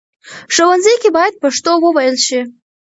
ښوونځي کې بايد پښتو وويل شي.